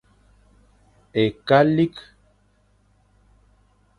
Ekalik.